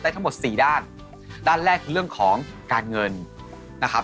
ทั้งหมดสี่ด้านด้านแรกคือเรื่องของการเงินนะครับ